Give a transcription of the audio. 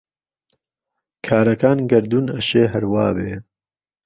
کارهکان گهردوون ئهشێ ههر وا بێ،